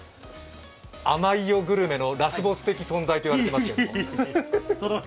あまいよグルメのラスボス的存在といわれている。